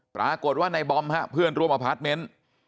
ปรากฏว่าในบอมฮะเพื่อนร่วมอพาร์ทเมนต์